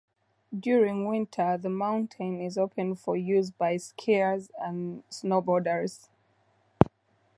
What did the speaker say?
During winter, the mountain is open for use by skiers and snowboarders.